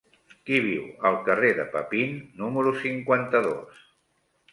Qui viu al carrer de Papin número cinquanta-dos?